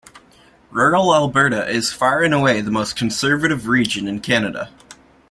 Rural Alberta is far and away the most conservative region in Canada.